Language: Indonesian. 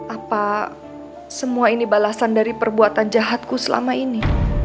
apa semua ini balasan dari perbuatan jahatku selama ini